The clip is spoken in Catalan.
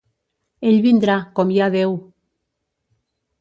Ell vindrà, com hi ha Déu!